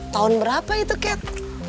tahun berapa itu kat